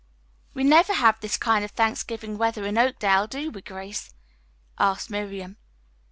"We never have this kind of Thanksgiving weather in Oakdale, do we, Grace?" asked Miriam.